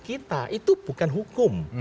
kita itu bukan hukum